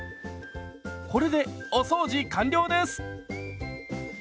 これでお掃除完了です！